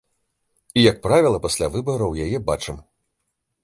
І, як правіла, пасля выбараў яе бачым.